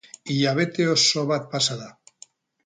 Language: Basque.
Hilabete oso bat pasa da.